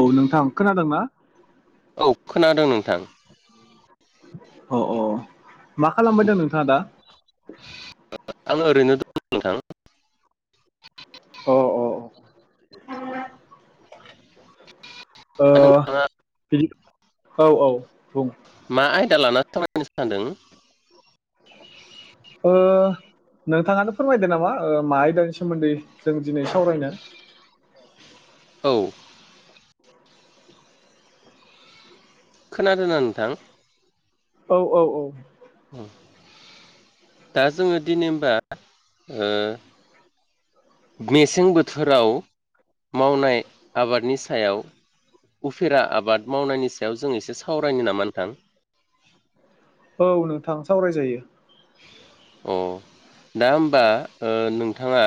औ नोंथां खोनादोंना औ खोनादों नोंथां अ अ मा खालामबाय दों नोंथाङा दा आं ओरैनो दं नोंथां अ अ ओ दा नोंथाङा बिदि औ औ बुं मा आयदा लाना सायनो सान्दों ओ नोंथाङानो फोरमायदो नामा ओ मा आयदानि सायाव सोमोन्दै जों दिनै सावरायनो औ खोनादोंना नोंथां औ औ औ दा जोङो दिनै होनबा ओ मेसें बोथोराव मावनाय आबादनि सायाव उफेरा आबाद मावनायनि सायाव जों एसे सावरायनो नामा नोंथां औ नोंथां सावरायजायो औ दा होमबा ओ नोंथाङा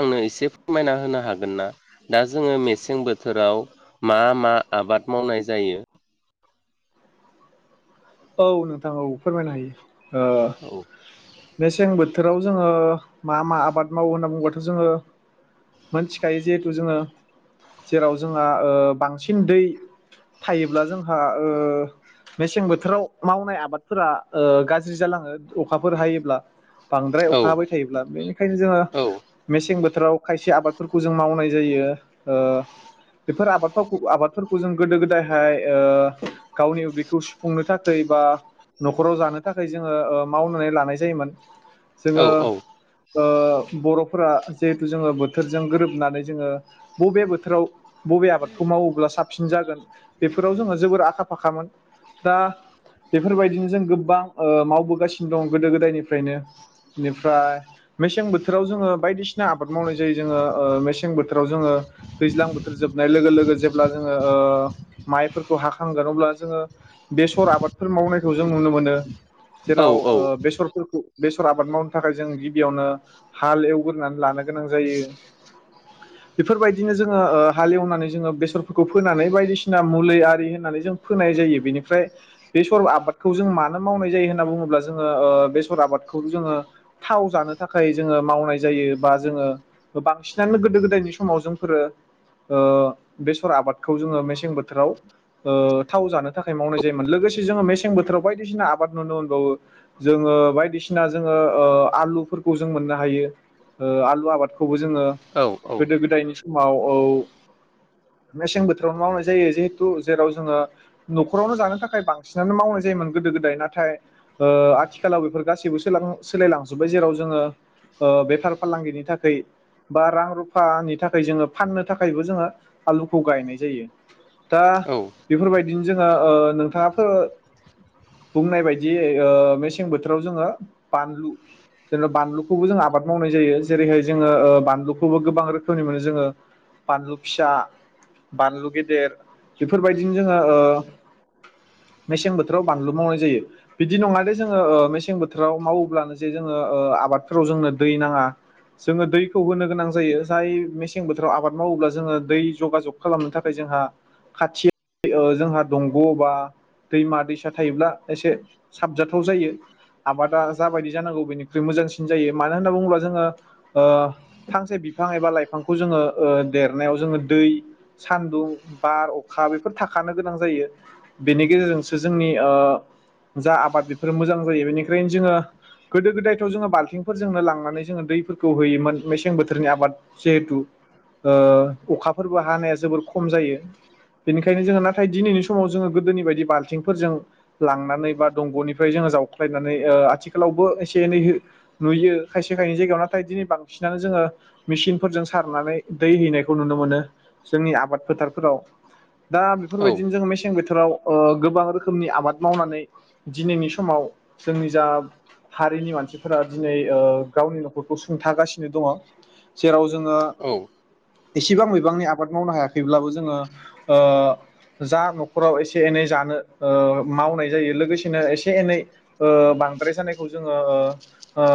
आंनो एसे फोरमायना होनो हागोन ना दा जोङो ओ मेसें बोथोराव मा मा आबाद मावनाय जायो। औ नोंथां औ फोरमायनो हायो ओ औ मेसें बोथोर बोथोराव जोङो मा मा आबाद मावो होनना बुङबाथ' जोङो मोनथिखायो जिहेथु जोङो जेराव जोंहा ओ बांसिन दै थायोब्ला जोंहा ओ मेसें बोथोराव मावनाय आबादफोरा ओ गाज्रि जालाङो अखाफोर हायोब्ला बांद्राय औ अखा हाबाय थायोब्ला बेनिखायनो जोङो औ मेसें बोथोर बोथोराव खायसे आबादफोरखौ जों मावनाय जायो ओ बेफोर आबाद आबादफोरखौ जों गोदो गोदायहाय ओ गावनि उदैखौ सुफुंनो थाखाय थाखाबा न'खराव जानो थाखाय जोङो ओ मावनानै लानाय जायोमोन औ जोङो ओ बर'फोरा जिहेथु जोङो बोथोरजों गोरोबनानै जोङो बबे बोथोराव बबे आबादखौ मावोब्ला साबसिन जागोन बेफोराव जोंहा जोबोर आखा फाखामोन दा बेफोरबायदिनो जों गोबां ओ मावबोगासिनो दं गोदो गोदायनिफ्रायनो बेनिफ्राय मेसें बोथोराव जोङो बायदिसिना आबाद मावनाय जायो ओ जोङो मेसें बोथोराव जोङो दैज्लां बोथोर जोबनाय लोगो लोगो जे अब्ला जोङो ओ माइफोरखौ हाखांगोन अब्ला जोङो बेसर आबाद फोर मावनायखौ जों नुनो मोनो औ जेराव ओ बेसरफोरखौ बेसर आबाद मावनो थाखाय जों गिबियावनो हाल एवग्रोनानै लानो गोनां जायो [inaudible] बेफोरबायदिनो जोङो ओ हालेवनानै जोङो बेसरफोरखौ फोनानै बायदिसिना मुलि आरि होननानै जों फोनाय जायो बेनिफ्राय बेसर आबादखौ जों मानो मावनाय जायो होनना बुङोब्ला जोङो ओ बेसर आबादखौ जोङो थाव जानो था थाखाय जोङो मावनाय जायो बा जोङो बांसिनानो गोदो गोदायनि समाव जोंफोरो ओ बेसर आबादखौ जोङो मेसें बोथोराव ओ थाव जानो थाखाय मावनाय जायोमोन लोगोसे मसें बोथोराव बायदिसिना आबाद नुनो मोनबो जोङो बायदिसिना जोङो ओ खौ जों मोननो हायो ओ आलु आबाद खौबो जोङो औ गोदो गोदायनि समाव औ मेसें बोथोरावनो मावनाय जायो जिहेथु जेराव जोङो न'खरावनो जानो थाखाय बांसिन बांसिनानो मावनाय जायोमोन गोदो गोदाय नाथाय ओ आथिखालाव बेफोर गासैबो सोलायलांजोबबाय जेराव जों जङो ओ बेफार फालांगिनि थाखाय बा रां रुफानि थाखाय जोङो फाननो थाखायबो जोङो आलुखौ गायनाय जायो दा औ बेफोरबायदिनो जोङो ओ नोंथाङा फोर बुंनाय बायदि ओ मेसें बोथोराव जोङो बानलु जेनेबा बानलुखौबो जों आबाद मावनाय जायो जेरैहाय जोङो ओ बानलुखौबो गोबां रोखोमनि मोनो जोङो बानलु पिसा बानलु गेदेर बेफोरबायदिनो जोङो ओ मेसें बोथोराव बानलु मावनाय जायो बिदि नङा दे जोङो ओ मेसें बोथोराव मावोब्लानो जे जोङो ओ आबादफोराव जोंनो दै नाङा जोङो दैखौ होनो गोनां जायो जाय मेसें बोथोराव आबाद मावोब्ला जोङो दै जगाजग खालामनो थाखाय जों जोंहा खाथि जोंहा दंग' बा दैमा दैसा थायोब्ला एसे साबजाथाव जायो आबादा जाबायदि जानांगौ बेनिख्रुइ मोजांसिन जायो मानो होनना बुङोब्ला जोङो बिफां एबा लाइफांखौ जोङो ओ देरनायाव जोङो दै सान्दुं बार अखा बेफोर खानो गोनां जायो बेनि गेजेरजोंसो जोंनि ओ जा आबाद बेफोरो मोजां जायो बेनिखफ्रायनो जोङो गोदो गोदायथ जोंङो बालथिं फोरजोंनो लांनानै जोङो दैफोरखौ होयोमोन मेसें बोथोरनि आबाद जिहेथु ओ अखाफोरबो हानाया जोबोर खम जायो बेनिखायनो जोङो नाथाय दिनैनि समाव जोङो गोदोनि बायदि बालथिंफोरजों लांनानै बा दंग'निफ्राय जोङो जाव्लायनानै ओ आथिखालावबो एसे एनै नुयो खायसे खायनै जायगायाव नाथाय दिनै बांसिनानो जोङो मेसिनफोरजों सारनानै दै हैनायखौ नुनो मोनो जोंनि आबाद फोथारफोराव दा औ बेफोरबायदिनो जों मेसें बोथोर बोथोराव गोबां रोखोमनि आबाद मावनानै दिनैनि समाव जोंनि जा हारिनि मानसिफोरा दिनै ओ गावनि न'खरखौ सुंथागासिनो दङ जेराव जोङो एसेबां बिबांनि आबाद मावनो हायाखैब्लाबो जोङो ओ जा नखर नखराव एसे एनै जानो ओ मावनाय जायो लोगोसेनो एसे एनै ओ बांद्राय जानायखौ ज जोंङो ओ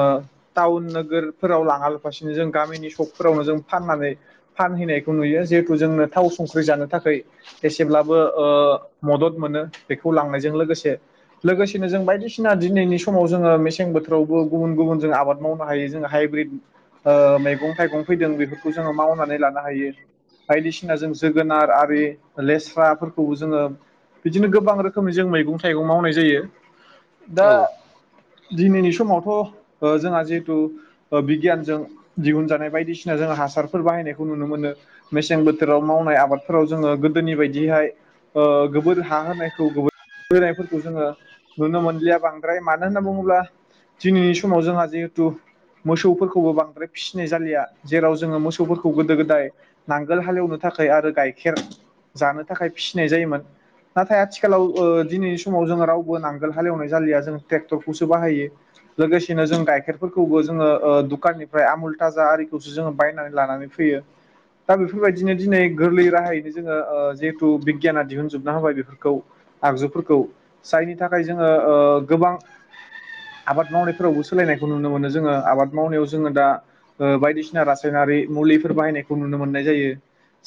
ताउन नोगोरफोराव लाङा बासिनो गामिनि सख फोरावनो जों फानो फाननानै फानहैनायखौ नुयो जिहेथु जोंनो थाव संख्रि जानो थाखाय एसेब्लाबो ओ मदद मोनो बेखौ लांनायजों लोगोसे लोगोसेनो जों बायदिसिना दिनैनि समाव जोङो मेसें बोथोरावबो गुबुन गुबुन जों आबाद मावनो हायो जोंहाय मैगं थाइगं फैदों बेफोरखौ जोङो मावनानै लानो हायो बायदिसिना जों जोगोनार आरि लेस्राफोरखौबो जोङो बिदिनो गोबां रोखोमनि जों मैगं थाइगं मावनाय जायो दा औ दिनैनि समावथ' जोंहा जिहेतु बिगियानजों दिहुन जानाय बायदिसिना जो हासारफोर बाहायनायखौ नुनो मोनो मेसें बोथोराव मावनाय आबादफोराव जोङो गोदोनि बायदिहाय गोबोर हा होनायखौ गोबोर होनायफोरखौ जोङो नुनो मोनलिया बांद्राय मानो होनना बुङोब्ला दिनैनि समाव जोंहा जिहेथु मोसौफोरखौबो बांद्राय फिसिनाय जालिया जेराव जोङो मोसौफोरखौ गोदो गोदाय नांगोल हालेवनो थाखाय आरो गाइखेर जानो थाखाय फिसिनाय जायोमोन नाथाय आथिखालाव दिनैनि समाव जोङो रावबो नांगोल हालेवनाय जालिया जों ट्रेक्टरखौसो बाहायो लोगोसेनो जों गाइखेरफोरखौबो जोङो ओ दुखाननिफ्राय आमुल थाजा आरिखौसो जोङो बायनानै लानानै फ फैयो दा बेफोरबायदिनो दिनै गोरलै राहायैनो जोङो ओ जिहेथु गियाना दिहुनजोबना होबाय बेफोरखौ आगजुफोरखौ जायनि थाखाय जोङो ओ गोबां आबाद मावनायफोरावबो सोलायनायखौ नुनो मोनो जोङो आबाद मावनायाव जोङो दा बायदिसिना रासायनारि मुलिफोर बाहायनायखौ नुनो मोननाय जायो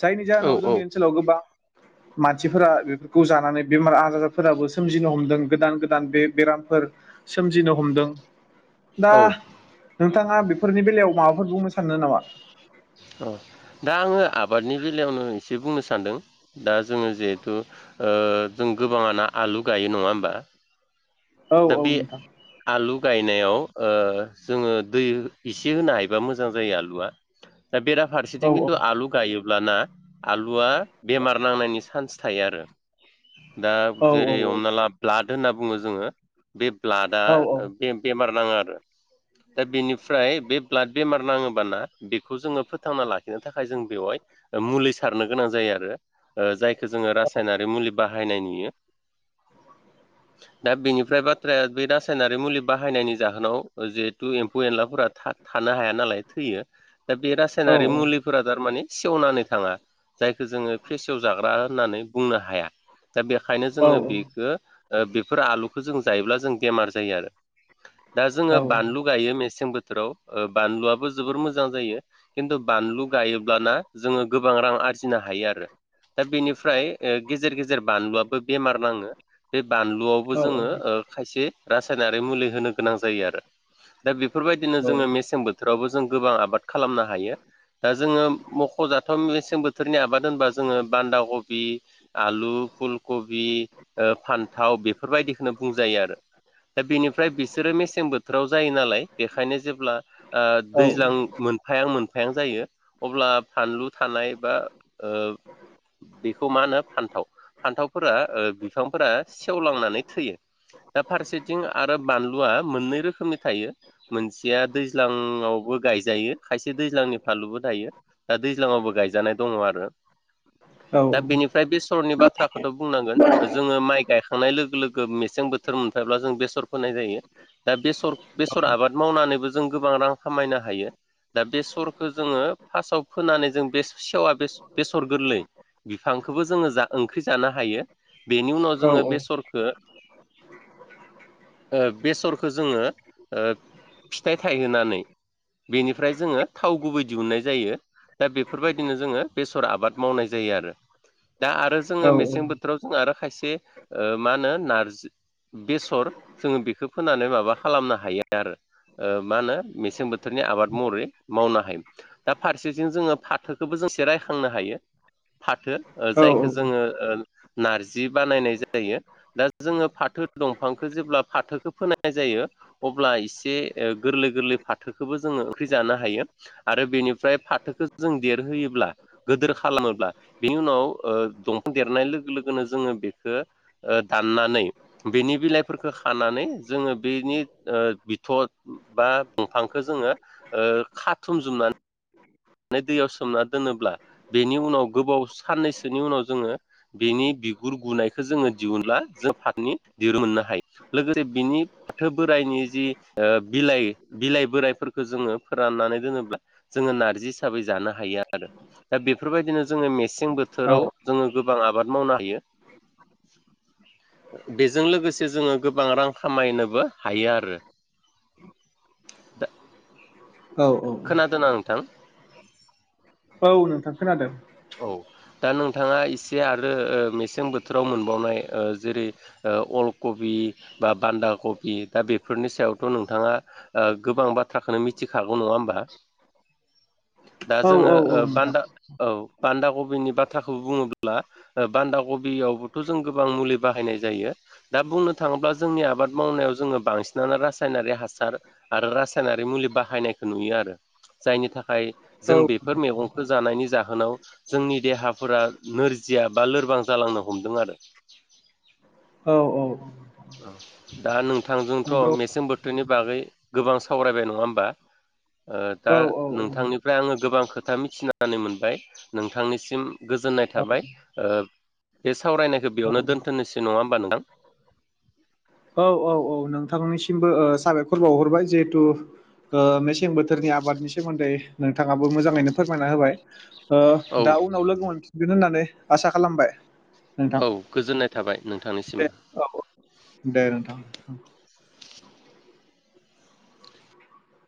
जायनि औ जाहोनाव औ जोंनि ओनसोलाव गोबां मानसिफोरा बेफोरखौ जानानै बेमार आजारफोराबो सोमजिनो हमदों गोदान गोदान बे बेरामफोर सोमजिनो हमदों दा औ नोंथाङा बेफोरनि बेलायाव माबाफोर बुंनो साननो नामा अ दा आङो आबादनि बेलायावनो एसे बुंनो सान्दों दा जोङो जिहेथु ओ जों गोबाङाना आलु गायो नङा होमबा औ दा औ बे नोंथां आलु गायनायाव ओ जोङो दै एसे होनो हायोबा मोजां जायो आलुआ दा औ बेराफारसेथिं औ खिन्थु आलु गायो ब्लाना आलुआ बेमार नांनायनि चान्स थायो आरो दा औ जेरै हमना ला ब्लाद होनना बुङो जोङो बे ब्लाडआ औ बे बेमार नाङो आरो दा बेनिफ्राय बे ब्लाड बेमार नाङोबाना बेखौ जोङो फोथांना लाखिनो थाखाय जों बेवहाय मुलि सारनो गोनां जायो आरो ओ जाय जोङो रासायनारि मुलि बाहायनाय नुयो दा बेनि ओमफ्राय बाथ्राया बे रासायनारि मुलि बाहायनायनि जाहोनाव जिहेथु एम्फौ एनलाफोरा थानो हाया नालाय थैयो दा बे औ रासायनारि मुलिफोरा थारमाने सेवनानै थाङा जायखौ जोङो फेसेवजाग्रा होननानै बुंनो हाया दा बेखायनो जोङो बेखौ बेफोर आलु जों जायोब्ला जों बेमार जायो आरो दा जोङो औ बानलु गायो मे सें बोथोराव ओ बानलुआबो जोबोर मोजां जायो खिन्थु बानलु गायोब्ला ना जोङो गोबां रां आरजिनो हायो आरो दा बेनिफ्राय ओ गेजेर गेजेर बानलुआबो बेमार नाङो बे बानलुआव औ जोङो खायसे रासायनारि मुलि होनो गोनां जायो आरो दा बेफोरबायदिनो जोङो मेसें बोथोरावबो जों गोबां आबाद खालामनो हायो दा जोङो मख'जाथाव मेसें बोथोरनि आबाद होनबा जोङो बान्दाखबि आलु फुलखबि ओ फान्थाव बेफोर बायदिखौनो बुंजायो आरो दा बेनिफ्राय बिसोरो मेसें बोथोराव जायो नालाय बेखायनो जेब्ला आ दैज्लां मोन फायां मोनफायां जायो अब्ला फानलु थानाय बा ओ बे खौ मा होनो फान्थाव फान्थावफोरा ओ बिफांफोरा सेवलांनानै थैयो दा फारसेथिं आरो बानलुआ मोननै रोखोमनि थायो मोनसेया दैज्लांआव बो गायजायो खायसे दैज्लांनि फानलुबो थायो दा दैज्लांआवबो गायजानाय दङ आरो दा बेनिफ्राय बेसरनि बाथ्राखौथ' बुंनांगोन जोङो माइ गायखांनाय लोगो लोगो मेसें बोथोर मोनफायोब्ला जों बेसर फोनाय जायो दा बेसर बेसर आबाद मावनानैबो जों गोबां रां खामा यनो हायो दा बेसर जोङो फार्स्टआव फोनानै जों बे सेवा बेसर गोरलै बिफांखौबो जोङो जा ओंख्रि जानो हायो बेनि उनाव जोङो बेसर [unintelligible] ओ बेसरखौ जोङो ओ फिथाइ थायहोनानै बेनिफ्राय जोङो थाव गुबै दिहुननाय जायो दा बेफोरबायदिनो जोङो बेसर आबाद मावनाय जायो आरो दा आरो जोङो मेसें बोथोराव जों आरो खायसे मा होनो नारजि बेसर जोङो बेखौ फोनानै माबा खालामनो हायो आरो ओ मा होनो मेसें बोथोरनि आबाद महरै मावनो हायो दा फारसेथिं जोङो फाथोखौबो जो एसे रायखांनो हायो फाथो ओ जायखौ जोङो ओ नारजि बानायनाय जायो दा जोङो फाथो दंफांखौ जेब्ला फाथोखौ फोनाय जायो अब्ला इसे ओ गोरलै गोरलै फाथोखौबो जोङो ओंख्रि जानो हायो आरो बेनिफ्राय फाथोखौ जों देरहोयोब्ला गोदोर खालामोब्ला बेनि उनाव ओ दंफां देरनाय लोगो लोगोनो जोङो बेखो ओ दाननानै बेनि बिलाइफोरखौ खानानै जोङो बेनि बिथ बा दंफांखो जोङो ओ खाथुम जुमनानै माने दैयाव सोमना दोनोब्ला बेनि उनाव गोबाव साननैसोनि उनाव जोङो बेनि बिगुर गुनायखौ जोङो दिहुनब्ला जों फाथोनि दिरुं मोननो हायो लोगोसे बिनि फाथो बोराइ नि जि ओ बिलाइ बिलाइ बोरायफोरखो जोङो फोराननानै दोनोब्ला जोङो नारजि हिसाबै जानो हायो आरो दा बेफोर बायदिनो जोङो मेसें बोथोराव जोङो गोबां आबाद मावनो हायो [inaudible] बेजों लोगोसे जोङो गोबां रां खामायनोबो हायो आरो [unintelligible] औ खोनादोना नोंथां औ नोंथां खोनादों औ। दा नोंथाङा इसे आरो ओ मेसें बोथोराव मोनबावनाय ओ जेरै ओ अलक बि बा बान्दा कबि दा बेफोरनि सायावथ' नोंथाङा गोबां बाथ्राखौनो मिथिखा खागौ नङा ओमबा [inaudible] दा औ जोङो औ ओ औ नोंथां बान्दा औ बान्दा कबिनि बाथ्राखौ बुङोब्ला ओ बान्दा कबियावबोथ' जों गोबां मुलि बाहायनाय जायो दा बुंनो थाङोब्ला जोंनि आबाद मावनायाव जोङो बांसिनानो रासायनारि हासार आरो रासायनारि मुलि बाहायनायखौ नुयो आरो जायनि थाखाय जों बेफोर मैगंखौ जानायनि जाहोनाव जोंनि देहाफोरा नोरजिया बा लोरबां जालांनो हमदों आरो औ औ औ दा नोंथांजोंथ नंगौ मेसें बोथोरनि बागै गोबां सावरायबाय नङा ओमबा ओ दा औ नोंथांनिफ्राय आङो गोबां खोथा मिथिनानै मोनबाय नोंथांनिसिम गोजोननाय औ थाबाय ओ बे सावरायनायखौ औ बेयावनो औ दोनथनोसै नङा होमबा नोंथां औ औ औ नोंथांनिसिमबो साबायखर बावहरबाय जिहेथु ओ मेसें बोथोरनि आबादनि सोमोन्दै नोंथाङाबो मोजाङैनो फोरमायनानै होबाय ओ औ दा उनाव लोगो मोनफिनगोन होननानै आसा खालामबाय। नोंथां औ गोजोननाय थाबाय दे नोंथांनिसिमबो। औ दे नोंथां